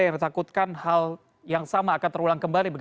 yang ditakutkan hal yang sama akan terulang kembali